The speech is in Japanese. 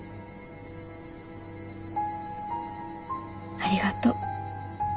ありがとう。